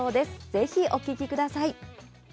ぜひ、お聞きください。